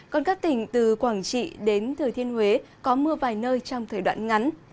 còn các tỉnh từ quảng trị đến thừa thiên huế có mưa vài nơi trong thời đoạn ngắn